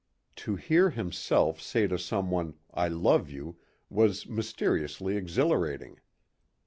To hear himself say to someone, "I love you," was mysteriously exhilarating.